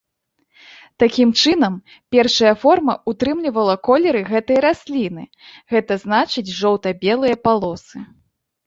Такім чынам першая форма ўтрымлівала колеры гэтай расліны, гэта значыць жоўта-белыя палосы.